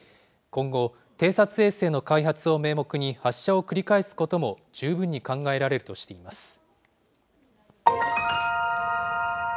今後、偵察衛星の開発を名目に、発射を繰り返すことも十分に考えられるとしています。